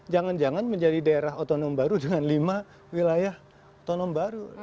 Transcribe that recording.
jangan jangan menjadi daerah otonom baru dengan lima wilayah otonom baru